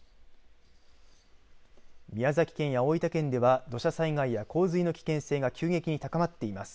宮崎県や大分県では土砂災害や洪水の危険性が急激に高まっています。